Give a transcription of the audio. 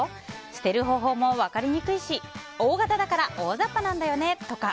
捨てる方法も分かりにくいしＯ型だからおおざっぱなんだよねとか。